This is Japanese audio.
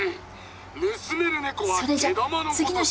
「盗めるねこは毛玉のごとし」。